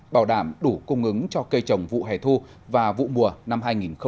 bảo đảm đủ cung ứng cho cây trồng vụ hè thu và vụ mùa năm hai nghìn hai mươi